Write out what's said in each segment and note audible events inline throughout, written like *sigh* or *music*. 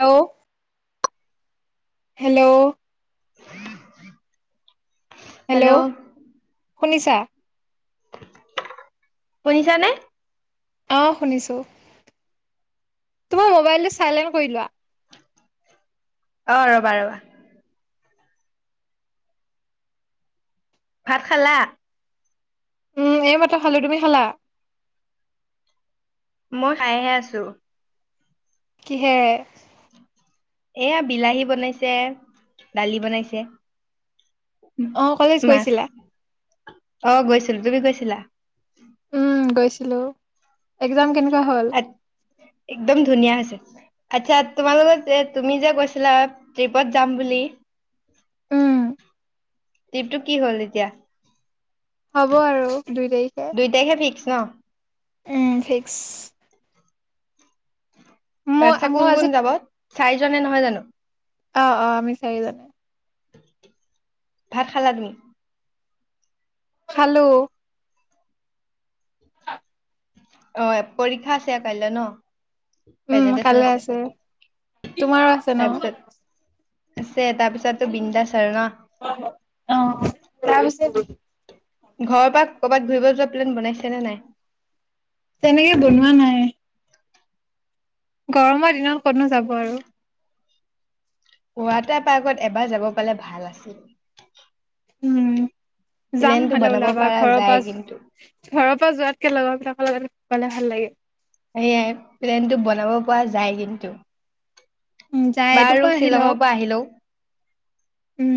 ল। Hello. Hello. শুনিছা। শুনিছা নে। অ শুনিছোঁ, তোমাৰ মোবাইলটো চাইলেণ্ট কৰি লোৱা। অ ৰবা ৰবা। ভাত খালা। উম এইমাত্ৰ খালোঁ তুমি খালা? মই খাইয়ে আছোঁ। কিহেৰে? এয়া বিলাহী বনাইছে, দালি বনাইছে। অ কলেজ মাছ? গৈছিলা অ গৈছিলোঁ তুমি গৈছিলা? উম গৈছিলোঁ। আ, একদম ধুনীয়া হৈছে। আচ্ছা তোমাৰ লগত যে তুমি যে কৈছিলা ট্ৰিপত যাম বুলি। উম ট্ৰিপটো কি হ'ল এতিয়া। হ'ব আৰু দুই তাৰিখে। নহ। উম ফিক্স। মই আচ্ছা মই কোন কোন আজি যাব? চাৰিজনে নহয় জানো। অ অ আমি চাৰিজন। ভাত খালা তুমি? খালোঁ। অ', পৰীক্ষা আছে কাইলৈ ন, উম প্ৰেজেন্টটেচন কাইলে আছে তোমাৰো আছে ন। তাৰপিছত আছে তাৰপিছতো বিন্দাছ আৰু ন? *unintelligible* অহ তাৰপিছত। ঘৰৰ পৰা ক'ৰবাত ঘূৰিব যোৱা প্লেন বনাইছেনে নাই। তেনেকে বনোৱা নাই। গৰমৰ দিনত ক'তোনো যাব আৰু। পুৱাতে পাৰ্কত এবাৰ যাব পালে ভাল আছিল উম, যাম প্লেনটো নহলে বনাব ওলাবা ঘৰৰ পৰা, যায় কিন্তু। ঘৰৰ পৰা যোৱাতকে লগবিলাক লগৰ কেইটা গলে ভাল লাগে সেয়াই প্লেন টো বনাব পৰা যায় কিন্তু উম যাই এইটোৰ বাৰু পৰা আহি লওক শ্বিলঙৰ পৰা আহি লও। উম,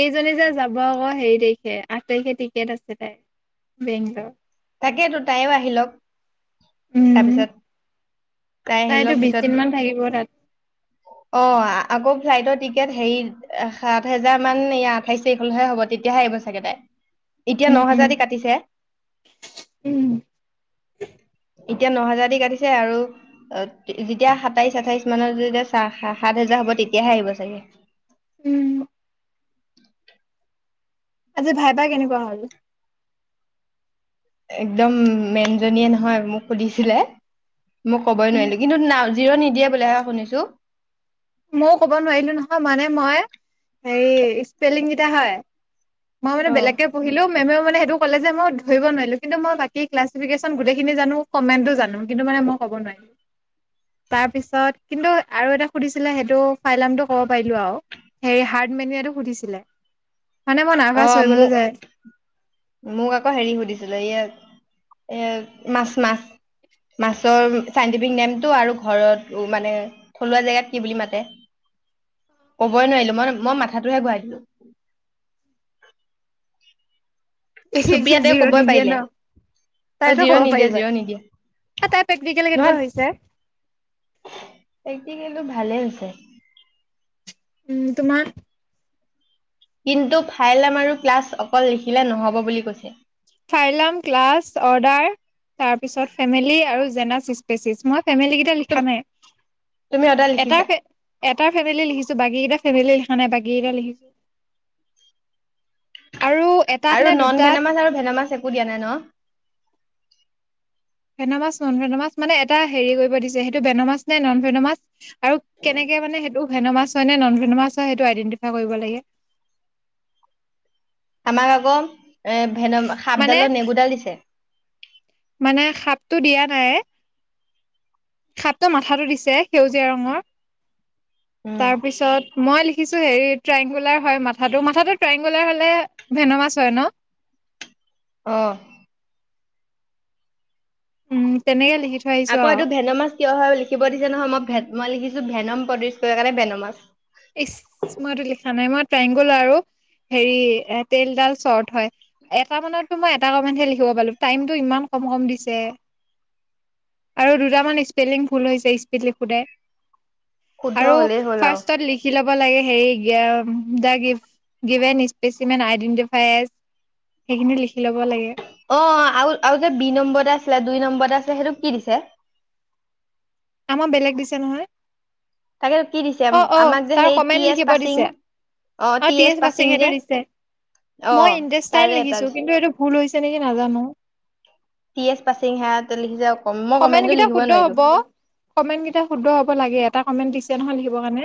এইজনী যে যাব আকৌ হেৰি তাৰিখে আঠ তাৰিখে টিকট আছে তাইৰ *unintelligible* তাকেইতো তাইও আহি লক উম তাৰপিছত তাই আহি তাইতো লওক বিশ পিছত, দিন মান থাকিব তাত অ', আকৌ ফ্লাইটৰ টিকেট হেৰি সাত হাজাৰ মান আঠাইছ তাৰিখলৈহে হ'ব তেতিয়াহে আহিব চাগে তাই এতিয়া উম ন উম হাজাৰ দি কাটিছে উম, এতিয়া ন হাজাৰ দি কাটিছে আৰু অ', যেতিয়া সাতাইশ আঠাইশ মানত যেতিয়া সাত হেজাৰ হব তেতিয়াহে আহিব চাগে- উম। আজি ভাইভা কেনেকুৱা হ'ল? একদম মেনজনীয়ে নহয় মোক সুধিছিলে মোক কবই উম নোৱাৰিলো, কিন্তু জিৰো নিদিয়ে বুলি হে শুনিছো ময়ও ক'ব নোৱাৰিলো নহয় মানে মই, স্পেলিংকেইটা হয় মই মানে অ বেলেগকৈ পঢ়িলো মে মানে সেইটো কলে যে মই ধৰিব নোৱাৰিলো কিন্তু মই বাকি ক্লাছিফিকেশন গোটেইখিনি জানো, কমেণ্টো জানো কিন্তু মই ক'ব নোৱাৰিলো তাৰ পিছত কিন্তু আৰু এটা সুধিছিলে সেইটো ফাইলেমটো ক'ব পাৰিলো আৰু হে হাৰ্ড মেনুটো সুধিছিলে মানে মই নাৰ্ভাচ হৈ অ', গ'লো মোক, যে মোক আকৌ হেৰি সুধিছিলে ই এ মাছ মাছ মাছৰ চাইণ্টিফিক নেমটো, আৰু ঘৰত উ মানে থলুৱা জেগাত কি বুলি মাতে? *inaudible* ক'বই নোৱাৰিলো। মই-মই মাথাটোহে ঘুৱাই দিলো। *unintelligible* চুপ্ৰিয়াতে জিৰ' কবই নিদিয়ে পাৰিলে ন অ তাইতো ক'ব জিৰ' নিদিয়ে পাৰিবই, জিৰ' নিদিয়ে তাইৰ প্ৰেক্টিকেল নহয় কেনেকুৱা হৈছে? প্ৰেক্টিকেলটো ভালেই হৈছে। উম, তোমাৰ কিন্তু ফাইলেম আৰু ক্লাছ অকল লিখিলে নহ'ব বুলি কৈছে ফাইলাম, ক্লাছ, অৰ্ডাৰ তাৰ পিছত ফেমিলি আৰু জেনাচ স্পেচিছ, মই ফেমিলি কেইটা লিখা তুমি নাই, তুমি অৰ্ডাৰ এটা লিখিছা হে হে এটা ফেমিলি লিখিছো, বাকী কেইটা ফেমিলি লিখা নাই, বাকী কেইটা লিখিছো আৰু নন ভেনামাছ আৰু ভেনামাছ একো দিয়া নাই ন। ভেনামাছ, নন-ভেনামাছ মানে এটা হেৰি কৰিব দিছে, সেইটো ভেন'মাছ নে নন-ভেন'মাছ আৰু কেনেকে মানে সেইটো ভেন'মাছ হয় নে নন-ভেন'মাছ হয় সেইটো আইডেণ্টিফাই কৰিব লাগে, আমাক আকৌ এ মানে ভেনম-সাপডালৰ নেগুডাল দিছে। মানে সাপটো দিয়া নাই। সাপটো মাথাটো দিছে সেউজীয়া ৰঙৰ, উম। তাৰপিছত মই লি খিছো হেৰি ট্ৰায়ংগুলাৰ হয় মাথাটো। মাথাটো ট্ৰেংগুলাৰ হলে ভেন'মাছ হয় ন? *inaudible* আহ। উম, তেনেকে লিখি থৈ আহিছো আকৌ আৰু এইটো ভেন'মাচ কিয় হয় লিখিব দিছে নহয়, ম ভে মই লিখিছো ভেনম প্ৰডিউচ কৰে কাৰণে ভেন'মাচ ইচ! মইতো লিখা নাই মই ট্ৰাইংগল আৰু হেৰি, এ তেল ডাল চৰ্ট হয়। এটা মানত মই এটা কমেন্ট হে লিখিব পালো, টাইমতটো ইমান কম, কম দিছে আৰু দুটামান স্পেলিং ভুল হৈছে স্পীড লিখোঁতে শুদ্ধ হলেই হ'ল আও। খি ল'ব লাগে, হেৰি গে-আ the give given specimen identify S সেইখিনি লিখি ল'ব লাগে। অ, আৰু-আৰু যে বি নম্বৰতে আছিলে দুই নম্বৰতে আছিলে সেইটো কি দিছে? *inaudible* মোক বেলেগ দিছে নহয়। তাকে কি দিছে অ অ, আমাক যে তাৰ সেই টি কমেন্ এছ লিখিব পাচিং দিছে। অ টি এছ বাচি এটো দিছে। অ' মই ইন্তেষ্টাইন তাৰে এটা লিখিছো কিন্তু টি এইটো ভুল হৈছে নেকি নাজানো। *unintelligible* য়েছ পাচিং *unintelligible* লিখিছে আও। কমেনকেইটা শুদ্ধ হ'ব। কমেণ্ট কেইটা শুদ্ধ হ'ব লাগে। এটা কমেণ্ট দিছে নহয় লিখিব কাৰণে।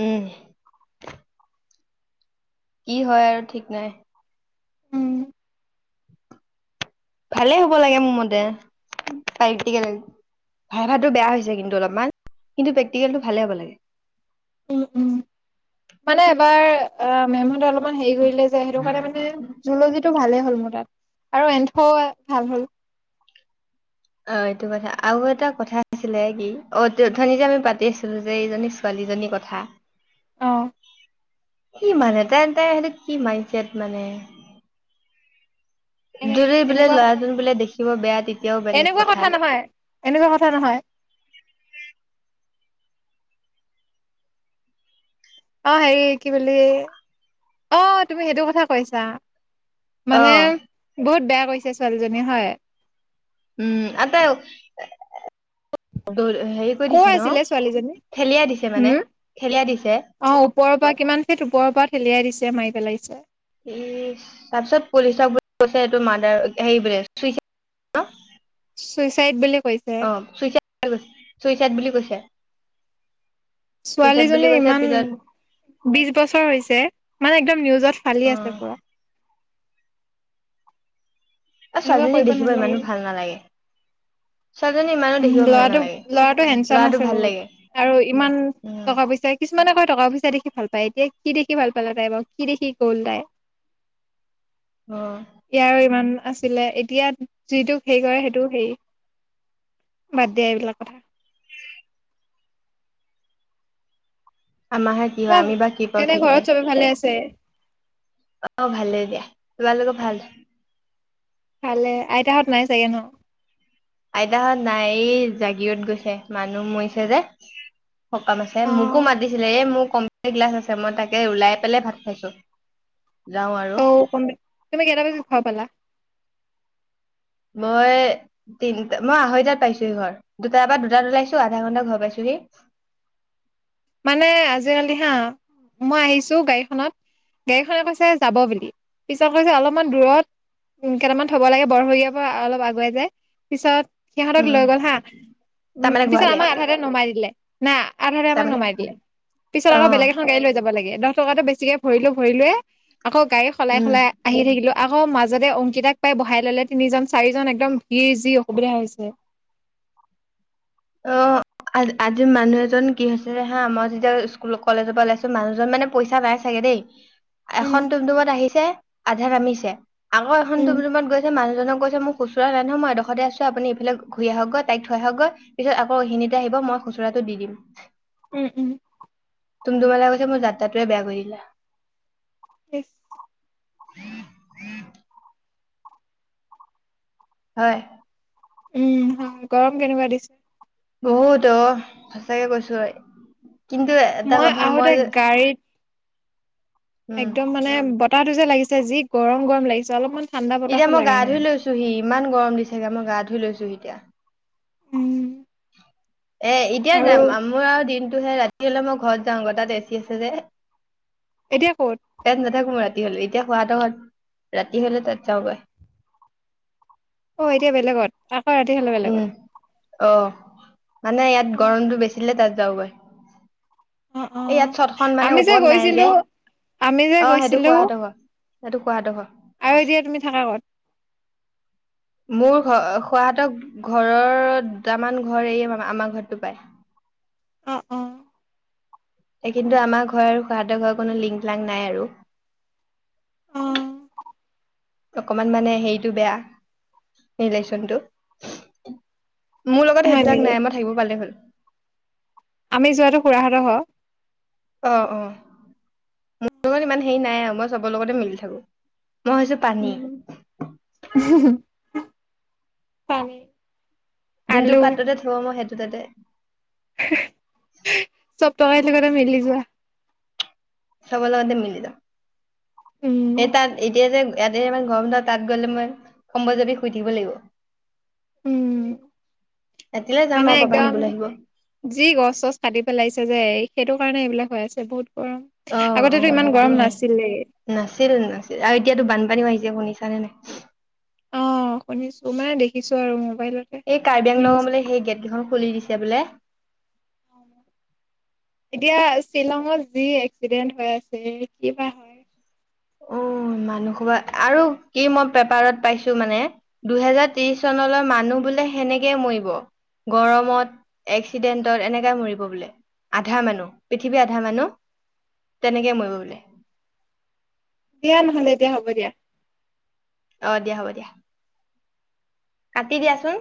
উম। কি হয় আৰু ঠিক নাই! উম ভালে হ'ব লাগে মোৰ মতে। প্ৰেক্টিকেল, ভাইভাটো বেয়া হৈছে কিন্তু অলপমান। কিন্তু প্ৰেক্টিকেলটো ভালেই হ'ব লাগে। উম উম। মানে এবাৰ- অ, মেমহতে অলপমান হেৰি কৰিলে যায় সেইটো কাৰণে মানে জু'লজি টো ভালে হ'ল। মোৰ তাত। আৰু এন্থও ভাল হ'ল। অ, এইটো কথা। আৰু এটা কথা আছিলে কি অথনি যে আমি পাতি আছিলো যে এইজনী ছোৱালী যিজনী কথা, অঁ। কি মানে, তাই-তাই হেটত কি মিণ্ডছেত মানে। এনে যদি বোলে এনেকুৱা কথা ল'ৰাজন বোলে দেখিব বেয়া তেতিয়াও বেলেগ এনেকুৱা কথা নহয় এনেকুৱা কথা নহয় *unintelligible* অ হেৰি কি বুলি অ তুমি সেইটো কথা কৈছা অ মানে বহুত বেয়া কৰিছে ছোৱালীজনী হয় উম আটা *inaudible* হেৰি কৰি কৰ দিছে ন আছিলে ছোৱালীজনী ঠেলিয়াই দিছে মানে হম ঠেলিয়াই দিছে অ ওপৰৰ পৰা কিমান ফিত ওপৰৰ পৰা ঠেলিয়াই দিছে মাৰি পেলাইছে ই তাৰ পিছত পুলিচক বোলে কছে এইটো মাৰডাৰ হেৰি বোলে হেল্লো' চুইচাইড বোলে অ চুইচাই চুইচাইড বুলি কৈছে চুইচাইড বুলি ছোৱালীজনী কৈছে ইমান পিছত বিশ বছৰ হৈছে মানে একদম নিউজত ফালি অ আছে পুৰা অ এনেকুৱা ছোৱালীজনী কৰিব দেখিব নালাগে ইমানো ভাল নালাগে ছোৱালীজনী ইমানো উম দেখিব ভাল ল'ৰাটো নালাগে ল'ৰাটো হেণ্ডচাম লৰাটো আছে ভাল বহুত লাগে আৰু ইমান উম টকা পইচা কিছুমানে কয় টকা পইচা দেখি ভাল পায় এতিয়া কি দেখি ভাল পালা তাই বাৰু কি দেখি গ'ল তাই। অ ইয়াৰ ইমান আছিলে এতিয়া যিটোক হে কৰে সেই। টো সেই বাদ দিয়া এইবিলাক কথা। *inaudible* আমাৰহে কি হয় আমি বা কি পাওঁ এনে ঠিক নাই ঘৰত চবে ভালে আছে। অ ভালেই দিয়া তোমালোকৰ ভাল। ভালে আইতাহঁত নাই চাগে ন আইতাহত নাই এই জাগিৰদ গৈছে মানুহ মৰিছে যে সকাম অ আছে মোকো মাতিছিলে এই মোক কমপিটাৰ কেলাছ আছে মই তাকে ওলাই পেলাই ভাত খাইছো যাওঁ আৰু অ তুমি কেইটা বাজাট ঘৰৰ পালা মই তিনটা মই আঢ়ৈ টাত পাইছোঁহি ঘৰ দুটাৰ পৰা দুটাত ওলাইছো আধা ঘন্টাত ঘৰ পাইছোঁ। *unintelligible* মানে আজিকালি হা মই আহিছো গাড়ীখনত। গাড়ীখনে কৈছে যাব বুলি পিছত কৈছে অলপমান দূৰত। উম কেইটামান থব লাগে বৰশৰীয়াৰ পৰা অলপ আগুৱাই যায় পিছত। সিহঁতক লৈ উম গ'ল হা উম তাৰমানে পিছত ঘূৰালে আমাক আধাতে নমাই দিলে না আধাতে আমাক তাৰমানে নমাই দিলে। পিছত অ আকৌ বেলেগে এখন গাড়ী লৈ যাব লাগে দহ টকাটো বেছিকে ভৰিলো ভৰিলোয়ে। আকৌ গাড়ী সলাই উম সলাই আহি থাকিলোঁ। আকৌ মাজতে অংকিতাক পাই বহাই লৈলে তিনিজন চাৰিজন একদম ভিৰ যি অসুবিধা হৈছে। *unintelligible* অ। আ আজি মানুহ এজন কি হৈছে হা মই যেতিয়া স্কুল কলেজৰ পৰা ওলাইছো মানুহজন মানে পইচা নাই চাগে। দেই। উম এখন টুমটুমত আহিছে আধা নামিছে আকৌ এখন উম টুমটুমত গৈছে মানুহজনক কৈছে মোক। খুচুৰা নাই নহয় মই এই দখৰতে আছোঁ আপুনি ইফালে ঘূৰি আহক গৈ তাইক থৈ আহকৈ। পিছত আকৌ ইখিনীতে আহিব মই খুচুৰাটো দি দিম। উম উম। টুমটুমৱালা কৈছে মোৰ যাত্ৰাটোৱে বেয়া কৰি দিলা। *unintelligible* হয়। উম গৰম কেনেকুৱা দিছে। বহুত অ সঁচাকে কৈছোঁ কিন্তু এটা কথা মই। আহোতে গাড়ীত একদম উম মানে বতাহটো যে লাগিছে যি গৰম গৰম লাগিছে অলপমান। ঠাণ্ডা এতিয়া বতাহো মই গা লগা নাই ধুই লৈছোহি ইমান গৰম দি চাগে মই গা ধুই লৈছোহি এতিয়া। উম। এ এতিয়া আৰু যাম মোৰ আৰু দিনটোহে ৰাতি হলে মই ঘৰত যাওঁ গৈ তাত এচি আছে যে। এতিয়া। ক'ত তাত নাথাকো মই ৰাতি হলে এতিয়া শুৱাটো ৰাতি হলে তাত যাওঁগৈ। অ এতিয়া বেলেগত আকৌ ৰাতি হ'লে উম বেলেগত। অ মানে ইয়াত গৰমটো বেচি দিলে তাত যাওঁ গৈ। এ ইয়াত ছটখন মানে আমি ওপৰত নাই গৈছিলো যে আমি যে অ সেইটো গৈছিলো খুৰাহঁতৰ ঘৰ। সেইটো খুৰাহঁতৰ ঘৰ। আৰু এতিয়া তুমি থাকা ক'ত। মোৰ ঘৰ খুৰাহঁতৰ ঘৰৰ দুটামান ঘৰ এৰিয়ে আমাৰ ঘৰটো পায়। অ অ কিন্তু আমাৰ ঘৰ আৰু খুৰাহঁতৰ ঘৰত কোনো লিং লাং নাই আৰু। অ', অকমান মানে হেৰিটো বেটা ৰিলেচনটো। মোৰ লগত হয় সেইবিলাক নেকি নাই মই থাকিব পালে হ'ল। আমি যোৱাটো খুৰাহঁতৰ ঘৰ। অ। অ। মোৰ লগত ইমান হেৰি নাই আৰু মই চবৰ লগতে মিলি থাকো। মই হৈছো পানী উম। তানে যোনটো পাত্ৰতে থব মই সেইটো তাতে। চব *unintelligible* তকাল কৰে মিলি যোৱা। চবৰ লগতে মিলি যাম। উম এ তাত এতিয়া যে ইয়াতে ইমান গৰম, তাত গ'লে মই কম্বলজাপী শুই থাকিব লাগিব। উম। ৰাতিলৈ যাম মানে আৰু পাপাই একদম নিবলৈ আহিব যি গছ চছ কাটি পেলাইছে যে সেইটো। কাৰণে এইবিলাক হৈ আছে বহুত। গৰম অ অ আগতেতো ইমান গৰম সেইটোও হয় নাছিলে নাছিল নাছিল আৰু এতিয়াতো বানপানী হৈ। এতিয়া শুনিছানে নাই। শুনিছোঁ মানে দেখিছোঁ আৰু মোৰ। এই কাৰ্বি আংলঙৰ বোলে সেই গেট কেইখন খুলি দিছে বোলে। *inaudible* এতিয়া শ্বিলঙত যি এক্সিডেন্ট হৈ আছে, কি বা হয়। উম মানুহসোবা আৰু কি মই পেপাৰত পাইছো মানে দুহেজাৰ ত্ৰিশ চনলৈ মানুহ বোলে সেনেকেই মৰিব। গৰমত এক্সিডেণ্টত এনেকাই মৰিব বোলে। আধা মানুহ, পৃথিৱীৰ আধা মানুহ তেনেকে মৰিব বোলে। দিয়া নহলে, দিয়া হ'ব দিয়া। অ, দিয়া হ'ব দিয়া। কাটি দিয়াচোন।